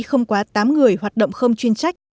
không quá tám người hoạt động không chuyên trách